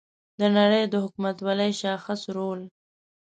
د نړۍ د حکومتولۍ شاخص رول